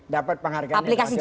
dapat penghargaan internasional